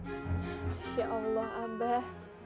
masya allah abah